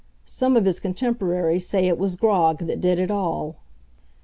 Some of his contemporaries say it was grog that did it all.